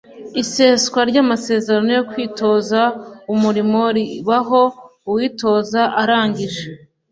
Iseswa ry’amasezerano yo kwitoza umurimo ribaho uwitoza arangije